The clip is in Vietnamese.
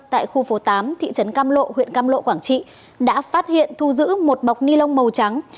tại khu phố tám thị trấn cam lộ huyện cam lộ quảng trị đã phát hiện thu giữ một bọc ni lông màu trắng